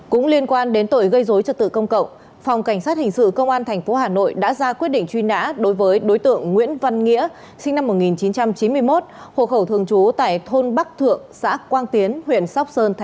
cũng liên quan đến tội gây dối trật tự công cộng phòng cảnh sát hình sự công an tp hà nội đã ra quyết định truy nã đối với đối tượng nguyễn văn nghĩa sinh năm một nghìn chín trăm chín mươi một hộ khẩu thường trú tại thôn bắc thượng xã quang tiến huyện sóc sơn